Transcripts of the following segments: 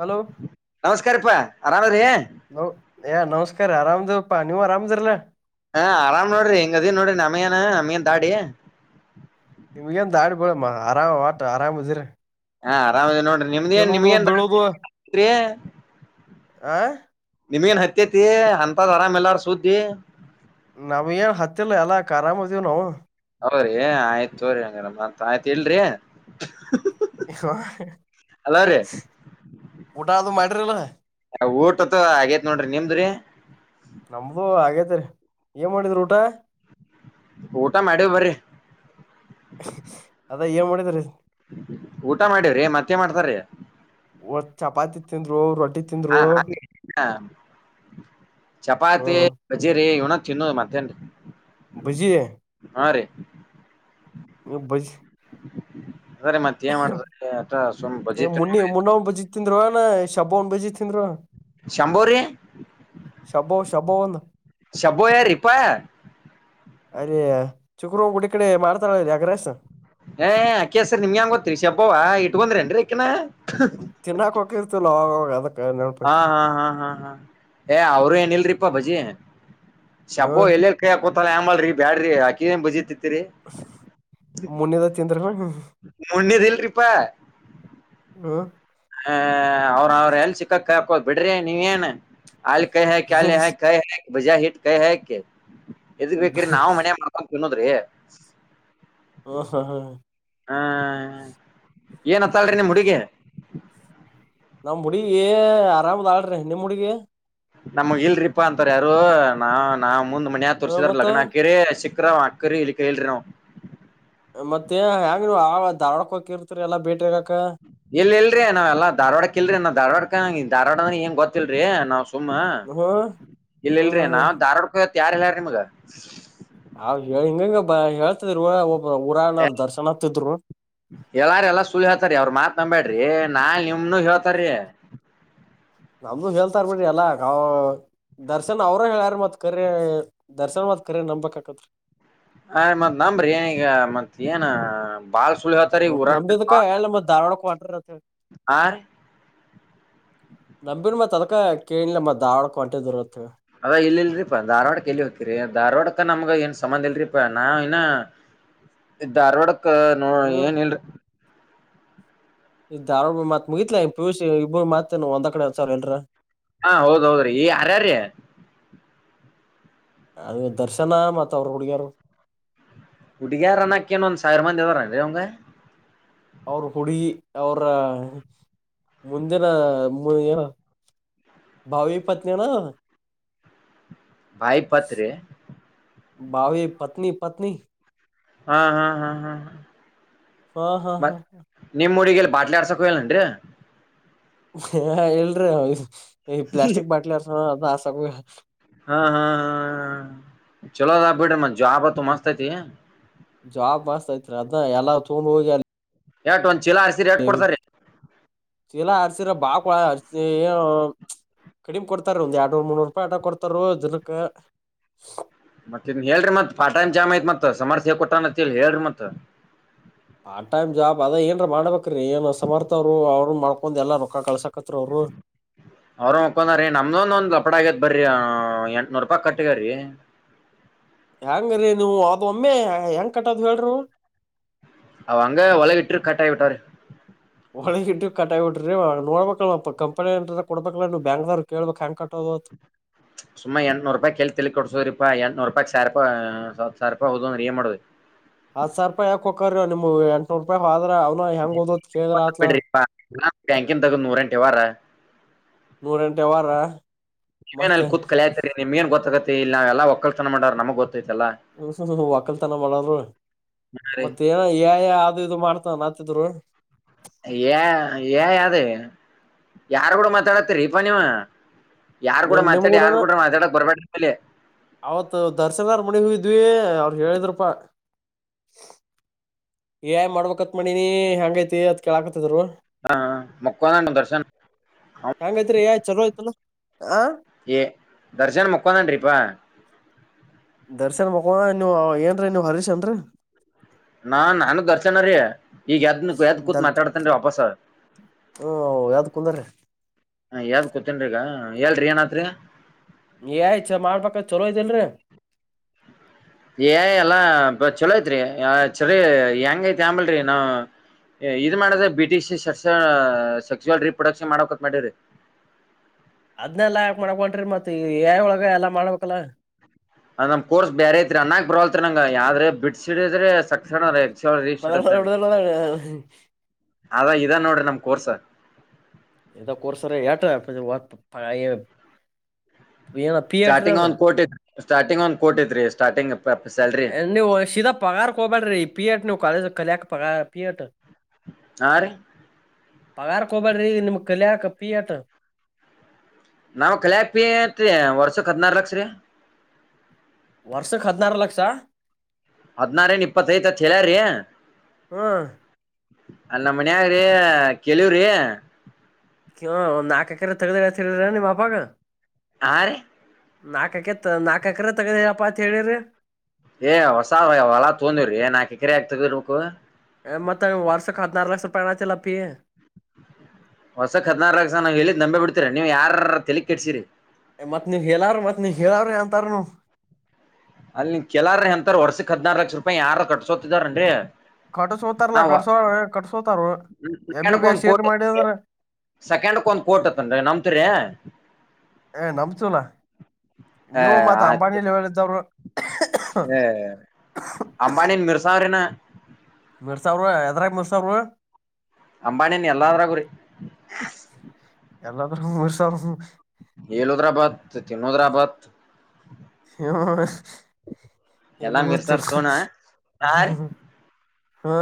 Hello ನಮಸ್ಕಾರಪ್ಪಾ ಆರಾಮ ರೀ ನೋ ಯಾ ನಮಸ್ಕಾರ ಅರಾಮದಪ್ಪಾ ನೀವ್ ಅರಾಮದ್ರಲ್ಲಾ ಹಾ ಆರಾಮ್ ನೋಡ್ರಿ ಹೆಂಗದಿನ್ ನೋಡ್ರಿ ನಮಯನ ಅಮಿಯನ್ ದಾಡಿ ನಿಮ್ಗೆಂತ ಆಾಡ್ಬೇಳಮ್ಮ ಆರಾಮ ಆಟ ಆರಾಮದಿರ ಹಾ ಆರಾಮದ ನೋಡಿ ನಿಮ್ದ ನ್ ನಿಮಗನ್ ಬೀಳೋದು ಆ ನಿಮ್ಗೇನ್ ಹತ್ತಿ ತಿ ಅಂತ ಜಾರ ಮಲ್ಲಾರ ಸುದ್ದ ನಮ್ ಏನ್ ಹತ್ತಿಿಲ್ಲ ಎಲ್ಲಖರಾಮ್ತೀವ್ ನಾವು ಹ್ರರಿ ಆಯ್ತು ತೋ್ರಿ ಹಂಗಡಮ್ಮ ಮ ಆಯ್ತು ಹೇಳರಿ ಹ ಊಟತ್ತು ಹಾಗಗೇತ್ ನೋಡ್ರಿ ನಿಮ್ದ್ರಿ ನಮ್ದು ಹಾಗೇತೆರಿ ಏನ್ ಮಾಡಿದ್ರರು ಊಟ ಊಟ ಮಾಡ ಬ್ರಿ ಅದ ಏನ್ ಮಾಡಿದ್ರೀ ಊಟ ಮಾಡಿವ್ರೆ ಮತ್ತೆ ಮಾಡ್ತಾರ ಒ ಚಪಾತಿತ್ತಂದರು ರೊಟ್ಟಿ ಹ ತಿಂದ್ರು ಚಪಾತಿ ಹ್ಮ್ ಬಜರೆ ಉಣ ತಿಿನ್ನೋದು ಮತ್ತೇನ್ರಿ ಬಜೆ ಹಾ ರೀ ಇ ಬಜಿ ಅದ್ರೀ ಮತ್ ಏನ್ ಮಾಡ್ರಿ ಅಟ ಸುಮ್ ಬಜಿ ತಿನ್ ಮುನ್ನಿ ಮುನ್ನ ಒನ್ ಬಜಿತಿಂದ್ ಶಬವ್ ಬಜ ಶಂಭರಿ ಶಬ್ಬವ್ ಶಬ್ಬವ್ ಒಂದ್ ಶಬೋಯರಿಪಾಯ ಅದ ಚುಕರು ಗುಡ ಕಡೆ ಮಾಡ್ತಾರಳೀ ಅಗ್ರಸ್ ಏ ಅಕೇಶ್ರಿ ನಿಮ್ಗೆ ಹೆಂಗ ಗತ್ರಿ ಶೆಬವ ಇಟ್ಕಂದ್ರಿೇನ್ರಿ ಅಕನ ತಿನ್ನಾಕ ಹಕಿರ್ತಿಲ್ಲ ಹಾ ಹಾ ಹಾ ಹಾ ಹಾ ಏ ಅವ್ರು ಏನಿಲ್ರಿಪಾ ಭಜಿ ನೀವು ಶಬೋ ಎಲ್ಲ ಕೈಾಕೋತಲ್ಲ ಹೆ ಮಾಡಲ್ರಿ ಬ್ಯಾಡ್ರಿ ಆಾಕಿನ ಬಜಿತಿತಿ ಮುನ್ನಿದ ತಿಂದ್ರನ ಹ್ಮ ಮುನ್ನದ ಇಲ್ರಿಪ ಹ್ಮ ಹ ಅವ್ರ ಅವ್ರ ಎಲ್ ಚಕ್ಕಕ್ಕದ್ ಬಿಡ್ರಿ ನೀವೇನ್ ಅಲ್ ಕೈ ಹ ಕ ಕೈ ಬಜಾ ಹಿಟ್ ಕೈ ಹಕ್ ಬೇಕ ನಾವು ಮನೆ ಮಾಡಕೋಡ್ ಚನ್ನೋದ್ರಿ ಹಾ ಹಾ ಹಾ ಹ ಹ್ಮ ಏನ್ ಹತ್ತಾಳಿ ನಿಮ್ ಹುಡುಗೀ ನಮ್ಮ್ ಹುಡುಗಿ ಆರಾಮದ್ ಆಗಡ್ರಿ ನಿಮ್ಮ್ ಹುಡುಗಿ ನಮಗ್ ಇಲ್ರರಿಪಾ ಅಂತಾರ ಯಾರು ನಾ ನಾ್ ಮುಂದ್ ಮನ್ಯ ಹ್ಮ ತೋರ್ಸಿದಾರ ಮತ್ತ ಲಗ್ನ ಕಿರಿ ಸಿಕ್ ರ ಅಕ್ಕರಿಲ್ಲಿ ಕೇೇಳ ಮತ್ತೆ ಹೆಂಗ ಧಾರ್ವಾಡಕ ಹಿರ್ತರಿ ಎಲ್ಲ ಬೇಟಿಗ ಇಲ್ ಇಲ್ರಿ ನಾವ್ ಎಲ್ಲ ಧಾರ್ವಾಡಕ್ ಇಲ್ರಿ ನಾ್ ಧವಾಡಕ ಧವಾಡ ಅಂದ್ರೆ ಹೆಂಗ ಗೊತ್ತಿಲ್ರಿ ನಾವ್ ಸುಮ್ಮ ಹ್ಮ್ ಹ್ಮ್ ಇಲ್ಲ ಹ್ಮ್ ಇಲ್ರಿ ಹ್ಮ್ ನಾವ್ ದಧಾರ್ವಾಡ್ಕೋತ್ ಯಾರ್ ಇಲ್ಾರ ನಿಮಗ ಹಾವ ಹಿಂಗಂಗ ಬ ಹೇಳ್ತದ ಎಲ್ಲಾರ ಎಲ್ಲ ಸುಳ್ಳ ಹೇಳ್ತಾರಿ ಅವ್ರ ಮಾತ್ ನಂಬಬ್ಯಾಡ್ರಿ ನಾ ನಿಮ್ನು ಹೇಳ್ತಾರೀ ನಮ್ದು ಹೇಳ್ತಾರ ಬಿಡ್ರಿ ಎಲ್ಲಾ ದರ್ಶನ್ ಅವ್ರಾರ ಮತ್ ಕರಿ ದರ್ಶನ್ ಕರೆ ನಂಬ್ಬೇಕಕತ್ೀ ಅ ಮತ್ತ್ ನಂಬ್ರಿ ಏನೀಗ ಮತ್ತ್ ಏನ ಬಾಲ ಸುಲ್ ಹತಾರೆ ಮತ್ ಉರಾಣ ನಂಬಿದಕ ಬ ಹೇಳ ಮತ್ ಧಾರವಾಡಕ್ ಹೊಂಟ್ರಿ ಆ ನಮಬಿ ಮತ್ ಅದಕ ಕೇಳಿಲ್ಲ ಮತ್ ದಾವಡಕ್ ಒಂಟೆ ದೊರತ್ತ ಅದ ಇಲ್ಲಿ ಇಲ್ರರಿಪಾ ಧಾರವಾಡಕ್ಕೆ ಎಲ್ಲಿ ಹೋಗ್ತರಿ ಧಾರವಾಡಕ್ಕೆ ನಮ್ಗ ಏನ್ ಸಂಬಂಧ ಇಲ್ರರಿಪಾ ನಾವ ಇನ್ನ ಇದ ಧಾರ್ವಾಡಕ್ ನೋ ಹ್ಮ್ ಏನ್ ಇಲ್ರಿ ಇದ ದ ಆಾರ್ಡ್ ಮತ್ ಮುಗಿತಲಾ ಪಿಯುಸಿ ಇಬ್ಬರು ಮತ್ತತ ಒಂದ್ ಕಡೆ ಎ ಸಾವ ಎಲ್ರ ಹಾ ಹೌದ್ ಹೌದ್ರಿ ಈ ಅರ್ಯೀ ಅದು ದರ್ಶನ ಮತ್ತ ಅವರು ಹುಡ್ಗ್ಯಾರ ಹುಡುಗ ಯಾರ ಅನ್ನಕ್ಕ ಏ ಒಂದ್ ಸಾವಿರ ಮಂದ್ವಾರನ್ ರೀ ಅವ್ಂಗ ಅವ್ರ ಹುಡುಗಿ ಅವ್ರ ಮುಂದಿನ ಮು ಭಾವ ಪತ್ನಿಯ ನ ಭಾಯ ಪತ್ ಭಾವ ಪತ್ನಿ ಪತ್ನಿ ಹಾ ಹಾ ಹಾ ಹಾ ಹ ಹಾ ಹಾ ಹಾ ಹಾ ಬಾಟ್ಲೆ ಆಡ್ಸೋಕ್ಕೆ ಹ ಹೇಳಲ್ಲಂ ರೀ ಹ ಇಲ್ರಿ ಈ ಪ್ಲಾಸ್ಟಿಕ್ ಬಾಟ್ಲ್ ಹರ್ಸ ಅ ಹಸಕ ಹಾ ಹಾ ಹ ಚಲೋ ಅದ ಬಿಡ ಮ ಜಾಬ್ ಆತ ಮಸ್ತ್ ಐತಿ ಜಾಬ್ ಮಾಸ್ತ್ ಐತ್ರಿ ಅದ್ ಎಲ್ಲ ತೊಂಡ್ ಹೋಗಿ ಅಲ್ಲಿ ಎಟ್ ಒಂದ್ ಚೀಲ ಹಸೀರಿ ಎಟ್ ಕೊಡ್ತರಿ ಚಲಾ ಅರ್ಸಿರ ಬಾಕಳ ಅರ್ಸ ಏನು ಕಡಿಮೆ ಕೊಡ್ತಾರ ಒಂದ್ ಎರಡ್ನೂರ್ ಮುನ್ನೂರು ರೂಪಾಯಿ ಆಟ ಕೊಡ್ತಾರ ದಿನಕ್ಕೆ ಮತ್ತ ಇನ್ ಹೇಳ್ರರಿ ಮತ್ ಪಾಟನ್ ಜಾಮ ಐತ್ ಮತ್ ಸಮರ್ಥ್ಯ ಕೊಟ್ಟಾನತ್ತ ಹೇಳಿ ಮತ್ತತ್ ಪಾರ್ಟ ಟೈಮ್ ಜಾಬ್ ಅದ ಏನ್ರ ಮಾಡಬೇಕ್ರೀ ಏನು ಸಮರ್ಥರು ಅವರು ಮಾಡ್ಕೊಂಡು ಎಲ್ಲಾ ರೊಕ್ಕ ಕಳ್ಸ ಅವರು ಮಕ್ಕಂದ ರೀ ನಮ್ದೊಂದ ಒಂದ್ ಲಪಡ ಆಗ ಬರ್ರಿ ಎಂಟನೂ ರೂಪಾಯಿ ಕಟ್ಟಗ್ರಿ ಹೆಯಾಂಗ್ರರಿ ನೀವು ಅ ಒಮ್ಮೆ ಹೆಂಗ ಕಟ್ಟದು ಹೇಳ್ರರು ಅವ ಅಂಗ ಒಲಗ ಇಟ್ಟ ಕಟ್ ಆಯಿ ಬಿಟ್ಟಾರೆ ಒಳ್ಳ ಇ ಕಟಾಯಬ ಬಿಟ್ರಿ ನೋಡ್ಬೇಕಲ್ ಕಂನಿ ಕೊಡ್ಬೇಕ ನೀವು ಬ್ಯಾಂಕ್ ಅವ್ನ ಕೇಳಬೇಕಕ್ ಹ್ಯಾಂ ಕಟ್ಟ ಪತ್ ಸುಮ್ಮ ಎಂಟು ನೂರು ಪಾಯಿ ಕೇಲ್ತಿ ತಿಳಿ ಕೊಡಸರಿಪಾ ಎನ್ ನಪಾಯ ಸಾರಪಾ ಉದ ರಿಯ ಮಾಡಡುವುದು ಮ್ ಎಟನೂರು ರೂಪಯಿ ಹಾ ಅವನ ಹೆಂಗದ ಕಂದ್ರತ್ಲ ಬಿಡ್ರಿಪಾ ಬ್ಯಾಂಕಿನ್ ತಗದ್ ನೂರೆಂಟ್ ವ್ಯವಹಾರ ನೂರಂಟೆ ವಾರ ನೀವೇನ್ ಅ ಕೂತ್ ಕಲಾಯ್ತರಿ ನಿಮ್ ಏನ್ ಗೊತ್ತಾಗತ್ತ ಇ ನಾವೆಲ್ಲ ಒಕ್ಕಲ್ಸನ ಮಾಡ ನಮಗ್ ಗೊ ಹ ವಾಕಲ್ತಾನ ಮಾಡ ರೀ ಮತ್ತ ಏನ ಯ ಅದು ಇದು ಮಾಡ್ತ ಆತಿದ್ರು ಏ ಏ ಆದಿ ಯಾರ್ ಕೂಡ ಮಾತಾಡತ್ತರಿೀಪ ನೀವು ಯಾರು ಕೂಡ ನಿಮ್ ನಿಮ್ ಮಾತಾಡಿ ಯಾರ ಕೂಡನ ಕೂಡ ಮಾತಾಡಕ್ ಬರ್ಬೇಡ ಇಲ್ಲಿ ನೀೇ ಅವ್ರು ಹೇಳಿದ್ರಪ್ಪಾ ಏ ಮಾಡ್ಬೇಕತ್ ಮಾಡಣಿನಿ ಹೆಂಗೈತಿ ಅದ್ ಕೇಳಕ ಹ ಮಕ್ಕೊಂದನ್ ದರ್ಶನ್ ಹೆಯಾಂಗಯ್ತ್ರಿ ಯ ಚಲೋ ಆಯ್ತಲ್ಲ ಏ ದರ್ಶನ ಮುಕ್ಕೊಂತನ್ರಿಪಾ ದರ್ಶನ್ ಮಕ್ಣ ನೀವ ಏನ್ರೀ ನೀವ ಹರೀಶ್ ಅನ್ರರಿ ನಾ ನನ್ಗ್ ದರ್ಶನ ರೀ ಈಗ ಯದ್ ಯ್ದ್ ಕೂತ್ ದಲ್ ಮಾತಾಡ್ತೇನ್ ವಾಪಸ ಹ್ಮ ಯಾವ್ದ ಕುಂದ್ರೀ ಹ ಯಾವ್ದ್ ಕತನ್ಗ ಹೇಳ್ರಿ ಏನತ್ರಿ ಯಯ್ಚಾ ಮಾಡ್ಬೇಕ ಚಲೋ ಇದಲ್ರಿ ಏ ಎಲ್ಲಾ ಚಲೋ ಐತ್ರಿ ಚರಿ ಹೆಂಗತಿ ಅಂಬಲ್ನಾವವು ಇದ್ ಮಾಡದ ಬಿಟಿ ಸೆಕ್ಸುವಲ್ ರೀಪ್ರೊಡಕ್ಷನ್ ಮಾಡಕತ್ ಮಾಡಿ್ರಿ ಅದ್ನೆಲ್ಲ ಯಾಕ್ ಮಾಡಕ್ ಹೋಂಟಿರಿ ಮತ್ ಏಐ ಒಳಗ ಎಲ್ಲಾ ಮಾಡ್ಬೇಕಲ್ಲ ಅ ನಮ್ ಕೋರ್ಸ್ ಬೇರೆ ಐತ್ರಿ ಅನ್ನಾಗ್ ಬರವಲ್ತ್ರಿ ನಂಗ ಯ ಆದ್ರೆ ಬಿಡ್ಸಡಿದ್ರೆ ಸಕ್ಸ ಬದ ಎಡುದದಗೇಯಿಗಿ ಅದ ಇದಾ ನೋಡ್ರಿ ನಮ್ ಕೋರ್ಸ ಇದು ಕೋರ್ಸರ ಎಟ ಏನ ಪಿ ಎಟ್ ರೀ ಸ್ಟಾರ್ಟಿಂಗ್ ಅದ ಒಂದ್ ಕೋಟಿ ಸ್ಟಾರ್ಟಿಂಗ್ ಒಂದ್ ಕೋಟಿತ್ ರೀ ಸ್ಟಾರ್ಟಿಂಗ್ಪ್ ನೀವು ಶೀದಾ ಪಗಾರ್ಕೋಬೇಡ್ರಿ ಪಿ ಅಟ್ ನೀವು್ ಕಾಲೇಜ್ ಕಲಿಯಕ್ ಪಗಾರ್ ಪಿ ಅಟ್ ಆಾ ರೇ ಪಗಾರ್ ಕೋಬರಿ ನಿಮ ಕಲಿಯಾಕ ಕಪ್ಪಿಯತ ನಾವ ಕಲೆಪಿ ಅತ್ ವರ್ಷಕ್ ಹದ್ಿನಾರ್ ಲಕ್ಷ ರಿ ವರ್ಷಕ್ಕೆ ಹದನಾರ್ ಲಕ್ಷ ಹದಿನಾರ್ ಏನ್ ಇಪ್ಪತ್ತ ಐತ್ ಹತ್ಲ್ರಿ ಹೇಳರಿ ಹ್ಮ್ ಅಲ್ಲಿ ನಮ್ ಮನಾಗ್ರಿ ಕೇಳಿವ್ರಿ ಹ ಒ್ ನಾಲ್ಕಏಕರೆ ತಗ್ದ್ರತರರ ನಿಮ್ಮ ಅಪಾಗ ಆ ರೇ ನಾಕಕ ನಾಕಏಕ್ರೇ ತಗದಪ್ಪಾ ಅಂತ ಹೇಳಿದರೇ ಏ ಹೊಸಾದ ಹೊಲಾ ತೋಂದಿ್ರರಿ ಏ ನಾಕಏಕ್ರೇ ಆಗ್ತದೆ ನಿಮ್ಮದು ಮತ್ತ ವರ್ಷ ಆದನರ್ ಲಕ್ಷ ಐತ್ ಅಲ್ಲ ಅಪಿ ಹೊಸ ಕೇ ಆದಿನಾರ್ ಲಕ್ಷ ನಾವ್ ಹೇಳಿದ್ ನಂಬಿ ಬಿಡ್ತೀರ ನೀವು ಯಾರಾರ ತೆಲಿ ಕೆಟ್ಟಸಿರಿ ಮತ್ ನೀವ ಹೇಳಾರ್ರು ಮತ್ ನೀವ ಹೇಳಾರ್ ಅಂತಾರನು ಅಲ್ಲಿ ಕೆಲಾರ ಎಂತಾರ ವರ್ಷಕ್ ಹದಿನಾರು ಲಕ್ಷ ರೂಪಾಯಿ ಯಾರ ಕಟ್ಸೋತಿದಾರನ್ರೇರಿ ಕಟ್ಸತಾರಲ್ಲಾ ಕಟ್ಸೋ ಕಟ್ಸತಾರ ಸೆಕೆಂಡ್ಕ್ ಒಂದ್ ಎಮಂಬಿಬಿಎಸ್ ಏತ್ ಕೋಟಿ ಮಾಡಿದ ಅಂದ್ರ ಸೆಕೆಂಡ್ಕ್ ಒಂದ್ ಕೋಟತ್ತನ್ರಿ ನಮ್ತರಿ ಏ ನಂಬ್ತಿವೋಲೇ ನೀವು ಮತ್ತ್ ಅಂಬಾನಿ ಲೆವೆಲ್ ಇದ್ದಾವರು ಹೇ ಅಂಂಬಾನಿ ಮರಸಾವಿನಾ ಮಿರ್ಸಾವಿರ ಎದ್ರಾಗ ಮಿರ್ಸಾವಿರ ಅಂಬಾನಿಯ ನೀ ಎಲ್ಲಾದ್ರ ಗುರಿ ಎಲ್ಲಾದರಗೂ ಉರುಸಾವ ಏಳ ಹೋದ್ರಾಬಾತ್ ತಿನ್ ಹೋದ್ರಾಬಾತ್ ಹು ಹು ಎಲ್ಲಾ ಎಲ್ಲೋ ಮೀರ್ಸಾರ್ ಹೋಗಿತಿರಿ ತೋಣ ನಾರಿ ಹಾ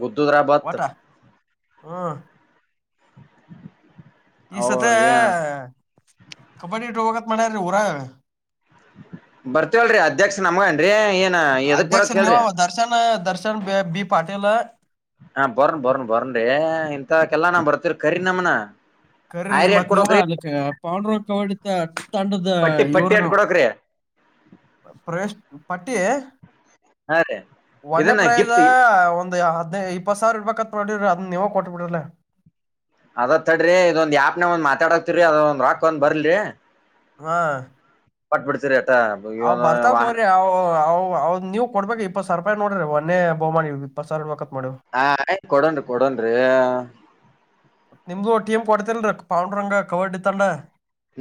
ಗು್ದ್ ದ್ರಾಬಾತ್ ಹು ಈ ಅವ್ರ ಸತೇ ಏ ಕಬಡ್ಡಿ ಇಟ್ಟ ಹೋಗತ್ ಮ್ಯ್ರಿ ಊರಗ ಬರ್ತವಲ್ರರಿ ಅಧ್ಯಕ್ಷ ನಮಗನ್ರಿ ಏನ್ ಅಧ್ಯಕ್ಷರ ನೀವು ದರ್ಶನ್ ದರ್ಶನ್ ಬಿ ಪಾಟೀಲ್. ಹಾ ಬರನ್ ಬರನ್ ಬರನ್ರಿ ಇಂತ ಕೆಲ್ಲಾ ನಾ ಬರ್ತರಿ ಕರಿ ನಮನ. ಕರಿ ಆಯ್ರಿ ಎಟ್ ಮತ್ ಕೊಡಕ್ರಿ ನೀವಲಿಕ್ಕೆ ಪಾವಂಡ ಹೊಡಿತ ತಂಡದ ಪಟ್ಟಿ ಪಟ್ಟಿ ಇವ್ರ ಎಟ್ ಕೊಡಕ್ರಿ ಪ್ರವೇಶ ಪಟ್ಟಿ. ಹಾ ರೀ ಒನ್ೆ ಇದನ್ನ ಪ್ರೈಸ್ ಹ ಗಿಫ್ಟ್ ಒಂದು ಯ ಅದ್ ಇಪ್ಪತ್ ಸಾವಿರ ಇರ್ಬೇಕತ್ ಮಾಡರಿ ಅದ್ ನೀವ ಕೊಟ್ ಬಿಿಡ್ರಲ್ಲ ಅದತ್ ತಡ್ರಿ ಇದೊಂದ ಯಾಪ್ನ ಒಂದ ಮಾತಾಡಕ್ತಿರಿ ಅದ ಒಂದ್ ರೋಕ ಒಂದ್ ಬರ್ಲ್ರಿ ಹಾ ಪಟ್ಬಿಡ್ತೀರೇ ಅವ್ ಬರ್ತಾವ ಹೋಗರಿ ಅವ್ ಅವ್ ನೀವ್ ಕೊಡ್ಬೇಕ್ ಇಪ್ಪತ್ ಸಾವರ ನೋಡ್ರಿ ಒನ್ನೆಯ ಒಬ್ಬ ಇಪ್ಪತ್ತು ಹಾ ಆಯ್ ಕೊಡನ್ರಿ ಕೊಡನ್ರಿ ನಿಮ್ದು ಒಂದು ಟೀಮ್ ಕೊಡ್ತಿಲ್ರರಿ ಪೌಂಡ್ ರಂಗ ಕಬಡ್ಡಿ ತಂಡ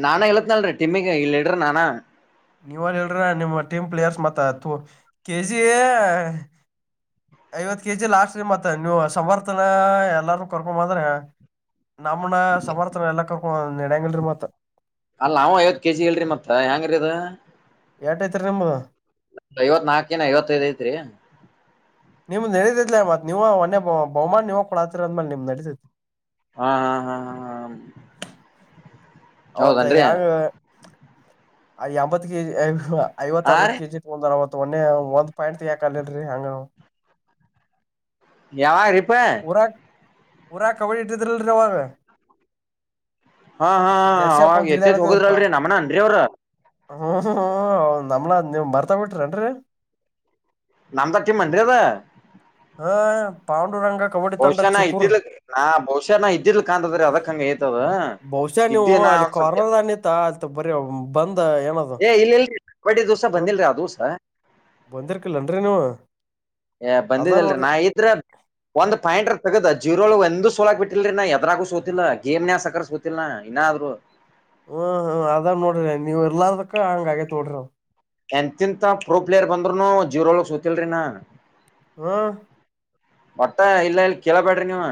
ನಾನಾ ಎಳತ್ನಾಲ್ರೀ ಟಮಿಿಗೆ ಇಲ್ಲಿ ಇಡ್ರ ನಾನಾ ನೀವ ಅಲ್ಲಿಲ್ರ ನಿಮ್ಮ ಟೀಮ್ ಪ್ಲೇಯರ್ಸ್ ಮತ್ತತು ಕೆಜಿ ಐವತ್ ಕೆಜಿ ಲಾಸ್ಟ್ ರಿ ಮತ್ತ ನೀವು ಸಮರ್ತನ ಎಲ್ಲಾರೂ ಕರ್ಕೊಂಡ್ ಬಂದ್ರಾ. ನಮನ ಸಮರ್ಥ ಎಲ್ಲ ಕರ್ಕೊಂಡ ನೆಡೆಯಂಗಲ್ರಿ ಮತ್. ಅಲ್ಲ ನಾವ ಐವತ್ತು ಕೆಜಿ ಇಲ್ರಿ ಮತ್ತ ಹೆಂಗರೀ ಮತ್ತ್ ಇದಾ. ಏಟಐತರಿ ನಿಮ್ದು. ಐವತ್ ನಾಲ್ಕೇನ ಐವತ್ತೈದ್ ಐತ್ರಿ ನಿಮ ನಡೀತಿದಲ ಮತ್ ನೀವು ಮನ್ನೆ. ಬಹುಮಾನ ನಿವ ಕೂಡಲಾಹತ್ತರ ಅಂದ್ಮೇಲೆ ನಿಮ್ ನಡತೈತಿ. ಹಾ ಹಾ ಹಾ ಹಾ ಹ. ಅವತ್ತ ಯಂಗ ಎಂಬತ್ ಕೆಜಿ ಐ ಐವತ್ ಹಾ ಅರ್ವತ್ತು ರೀ ಕೆಜಿ ಒಂದ ಅವತ್ತು ಒನ್ನೆ ಒಂದ್ ಪಾಯಿಂಟ್ ತೆಗೆಕಲ್ಲಿಲ್ರಿ ಹಂಗ ಯಾರಿಪ್. ಊರಾಗ ಊರಾಗ ಕಬಡ್ಡಿ ಇಟ್ಟಿದ್ರಲ್ರಿ ಅವ್ಗ. ಹಾ ಹಾ ಅವಾಗ ಎತ್ತೇತ್ ಹೋಗದ್ರಲ್ರಿ ನಮನನ್ರಿ ಅವ್ರ. ಹ್ಮ ಹ ನಮ್ನಾ ನೀವ್ ಮರ್ತಾ ಬಿಟ್ರಿನ್ರರಿ. ನಮ್ಧಾ ಟೀಂ ಅನ್ರಿ ಅದು. [unintelligible] ಕಬಡ್ಡಿ ತಂಡ ಬಹುಶಾನ ಚಿಕ್ಕೂರ್ ಇದ್ದಿಲ್ ಬಹುಶಃ ನಾ ಇದ್ದಿಲ್ ಕಾಣದ್ರೆ ಅದಕ್ ಹಂಗ ಆಗ್ಯತೇ ಅದ. ಬಹುಶ ನೀವು ಅಲ್ಲಿ ಕಾರ್ನರ್ ನಿತ ಅ ಬರ ಬಂದ್ ಏನ ಹ ಏ ಇಲ್ಲ ಇಲ್ರಿ ಕಬಡ್ಡಿ ದೋಸ ಬಂದಿಲ್ರಿ ಆ ದೋಸ ಬಂದಿರ್ಕಲ್ಲನ್ರಿ ನೀವು. ಏ ಅದ ಬಂದಿದಲ್ರರಿ ನೋಡ್ರಿ ನಾ ಇದ್ರ ಒಂದ್ ಪಾಯಿಂಟ್ ತಗದ ಜೀರೋ ಒಂದ. ನಿಂದು ಸೋಲಾಕ್ ಬಿಟ್ಟಿಲ್ರಿ ನಾ ಎದರಾಗು ಸೋತಿಲ್ಲ ಗೇಮ್ನ್ಸ್ಕ ಸೋತಿಲ್ಲಾ ಇನಾದ್ರು. ಅದಕ್ಕ ಅಂಗ್ ಆಗ್ಯತಿ ನೋಡ್ರಿ ಅದು. ಎಂತಿಂತ ಪ್ರೂ ಪ್ಲೇಯರ್ ಬಂದ್ರುನು ಜೀರೋಲೋಗ ಸೂತಿಲ್ರಿನಾ. ಹ್ಮ್. ಒಟ್ಟ ಇಲ್ಲಲ್ಲಿ ಕೇಳ್ಬಡರಿ ನೀವ.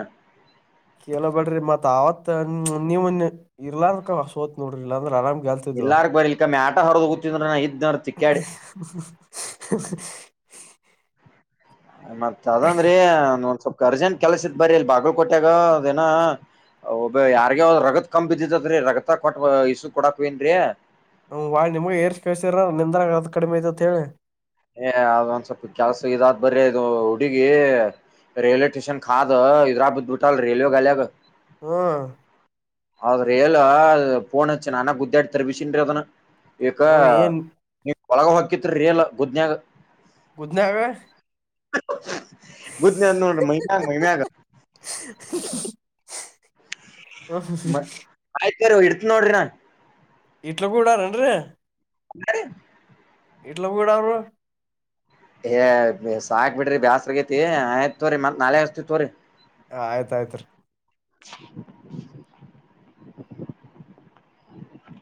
ಕೇಳಬೇಡ್ರಿ ಮತ್ತ್ ಆವತ್ ನೀವು ನಾ ಇರ್ಲಾರ್ದಕ್ಕ ಅಂದಕ ಸೋತ್ ನೋಡ್ರಿ ಇಲ್ಲಾಂದ್ರ ಆರಾಮ್ ಗೆಲ್ತಿದ್ವೆ. ಇಲ್ಲಾರ್ಕ್ ಬರಿ ಇಲ್ಕ ಮ್ಯಾಟ ಹೊರದ್ ಗೊತ್ತಿದ್ರ ನಾ ಇದ್ನವ್ರ ತಿಕ್ಕಾಡಿ ಮತ್ತತ್ ಅದಂದ್ರಿ ಒಂದ ಒಂದ್ ಸ್ವಲ್ಪ ಅರ್ಜೆಂಟ್ ಕೆಲ್ಸ ಇತ್ ಬರಿ ಇಲ್ಲಿ ಬಾಗಲ್ ಕೊಟ್ಯಾಗ ಅದ ಏನಾ. ಒಬ ಯಾರ್ಗ ರಗತ್ ಕುಂ ಬಿಡಿತಂತ್ರಿ ರಗತ ಕೊಟ್ಟ ಇಸು ಕೊಡಕ್ವನ್ರೀ. ಹ್ ವಳ್ಳಿ ನಿಮಗ್ ಏರ್ಸ್ ಕಸರ್ರ ನಿನ್ಂದ ಅದು ರಗತ್ ಕಡಿಮೆ ಐತೆತ್ ಹೇಳಿ. ಏ ಅದೊಂದ್ ಸ್ವಲ್ಪ ಕೆಲ್ಸ ಇದಾದ್ ಬರೀ ಇದು ಹುಡುಗಿ, ರೇಲ್ವೆ ಸ್ಟೇಷನ್ ಹಾದ ಇದರಗ ಬಿಡಿಬಿಟ್ಲಾ ರೇಲ್ವೆ ಗಾ. ಹ್ಮ. ಆದ ರೆಲ್ ಪೋನ್ ಹಚ್ಚಿ ನಾ ನಾನಾ ಗುದ್ದ್ಯಾಡ್ ತರ್ಬಿಸಿನಿ ಅದನ. ಈಕ ಅವ್ ಏನ್ ನೀ ಒಳಗ ಹಕಿತ್ರಿ ರೆಲ ಗುದ್ನ್ಯಾಗ. ಗುಡ್ಯ ನಾಗ. ಬ್ಾನ ನೋಡ ಮಹಮಾಗ ಮಹಮಾಗ ಹ ಕಾರ ಇಡ್ತ್ ನೋಡ್ರಿನಾ ಇಟ್ಲ ಕೂಡಾರನ್ ರೀ [inaudible] [unintelligible] ಏ ಸಾಕ್ ಬಿಡ್ರಿ ಬ್ಯಾಸ್ರಗೇತಿ ಆಯ್ತತ್ ತೋರರಿ ಮತ್ ನಾಳೆ ಅರ್ತಿ ತವ್ರರಿ. ಹ ಆಯ್ತ ಆಯ್ತ್ರಿ. [inaudible]